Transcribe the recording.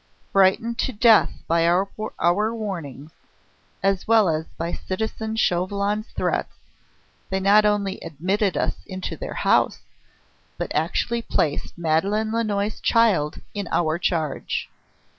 Frightened to death by our warnings, as well as by citizen Chauvelin's threats, they not only admitted us into their house, but actually placed Madeleine Lannoy's child in our charge.